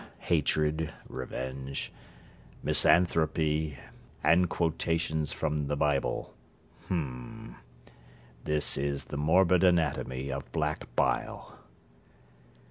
Hatred revenge misanthropy and quotations from the Bible. Hm. This is the morbid anatomy of black bile.